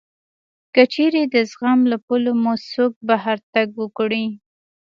که چېرې د زغم له پولو مو څوک بهر تګ وکړي